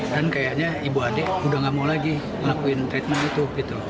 dan kayaknya ibu adik udah gak mau lagi ngelakuin treatment itu